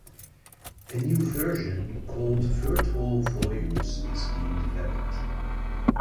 A new version called Virtual Volumes is being developed.